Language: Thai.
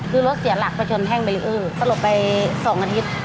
คือรถเสียหลักไปจนแท่งไปหือสลบไป๒อาทิตย์